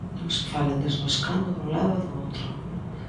Non se falen desde o escano dun lado e do outro.